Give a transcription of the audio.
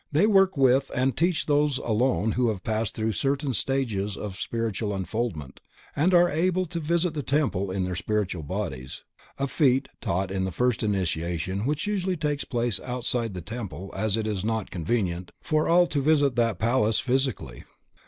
They work with and teach those alone who have passed through certain stages of spiritual unfoldment and are able to visit the temple in their spiritual bodies; a feat taught in the first initiation which usually takes place outside the temple as it is not convenient for all to visit that place physically.